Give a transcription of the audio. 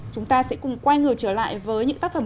chúng ta sẽ cùng quay ngược trở lại với những tác phẩm